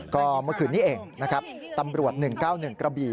ก็เมื่อคืนนี้เองตำบรวจ๑๙๑กระบี่